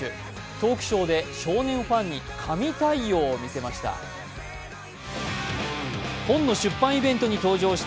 トークショーで少年ファンに神対応を見せました。